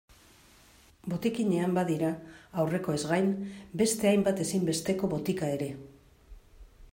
Botikinean badira, aurrekoez gain, beste hainbat ezinbesteko botika ere.